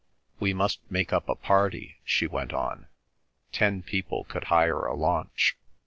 "We must make up a party," she went on. "Ten people could hire a launch.